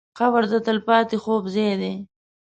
قبر د تل پاتې خوب ځای دی.